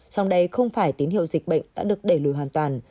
trong đây không phải tín hiệu dịch bệnh đã được đẩy lùi hoàn toàn